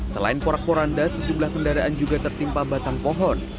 selain porak poranda sejumlah kendaraan juga tertimpa batang pohon